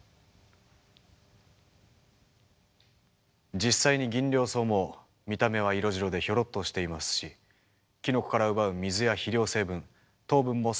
実際にギンリョウソウも見た目は色白でひょろっとしていますしキノコから奪う水や肥料成分糖分もそこまでたんまりではありません。